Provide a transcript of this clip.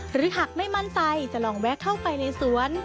หากไม่มั่นใจจะลองแวะเข้าไปในสวน